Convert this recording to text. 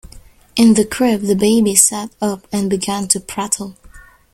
In the crib the baby sat up and began to prattle.